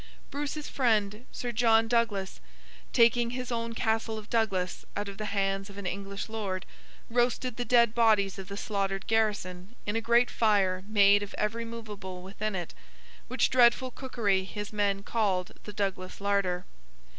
Bruce's friend Sir John Douglas, taking his own Castle of Douglas out of the hands of an English Lord, roasted the dead bodies of the slaughtered garrison in a great fire made of every movable within it; which dreadful cookery his men called the Douglas Larder.